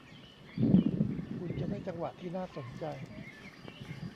คุณจะได้จังหวะที่น่าสนใจ